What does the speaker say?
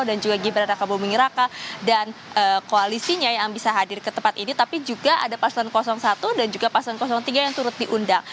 dan juga gibraltar kabupaten mengeraka dan koalisinya yang bisa hadir ke tempat ini tapi juga ada pasangan satu dan juga pasangan tiga yang turut diundang